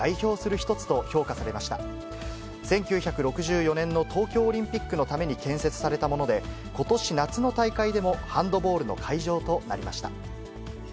１９６４年の東京オリンピックのために建設されたもので、ことし夏の大会でも、ハンドボールの会場となりました。